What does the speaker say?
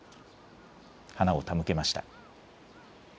花を手向けました。